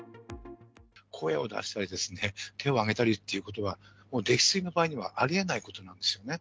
声を出したり、手を上げたりっていうことは、もう溺水の場合にはありえないことなわけですよね。